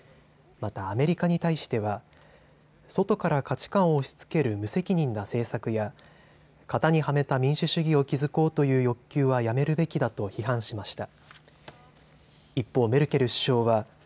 またアメリカに対しては外から価値観を押しつける無責任な政策や型にはめた民主主義を築こうという欲求はやめるべきだと批判しました。